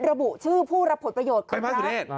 ระบุชื่อผู้รับผลประโยชน์ของพระสุเนต